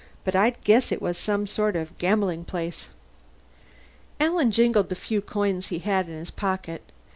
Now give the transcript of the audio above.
But I'd guess it was some sort of gambling place." Alan jingled the few coins he had in his pocket.